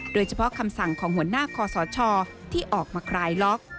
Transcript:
คำสั่งของหัวหน้าคอสชที่ออกมาคลายล็อก